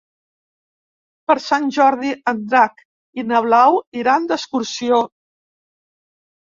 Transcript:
Per Sant Jordi en Drac i na Blau iran d'excursió.